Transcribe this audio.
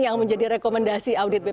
yang menjadi rekomendasi audit bp